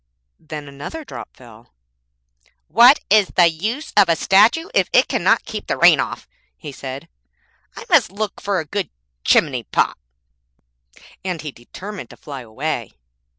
Then another drop fell. 'What is the use of a statue if it cannot keep the rain off?' he said; 'I must look for a good chimney pot,' and he determined to fly away.